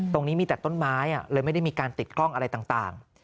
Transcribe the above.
ตรงนี้มีแต่ต้นไม้เลยไม่ได้มีการติดกล้องอะไรต่าง